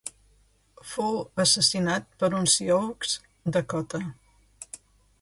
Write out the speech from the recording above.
Fou assassinat per un sioux dakota.